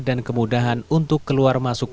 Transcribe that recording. dan kemudahan untuk keluar masuk